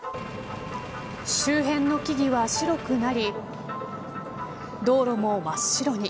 周辺の木々は白くなり道路も真っ白に。